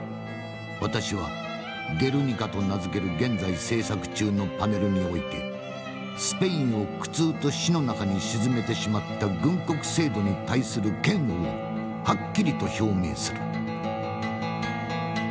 私は『ゲルニカ』と名付ける現在制作中のパネルにおいてスペインを苦痛と死の中に沈めてしまった軍国制度に対する嫌悪をはっきりと表明する」。